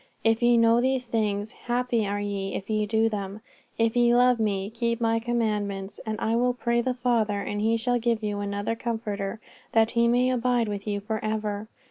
If ye know these things, happy are ye if ye do them. If ye love Me, keep My commandments. And I will pray the Father, and He shall give you another Comforter, that He may abide with you for ever.